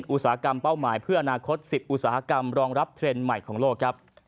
อุตสาหกรรมเป้าหมายเพื่ออนาคต๑๐อุตสาหกรรมรองรับเทรนด์ใหม่ของโลกครับ